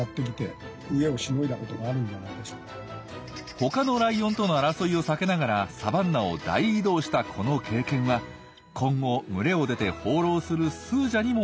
他のライオンとの争いを避けながらサバンナを大移動したこの経験は今後群れを出て放浪するスージャにもきっと役に立つはずです。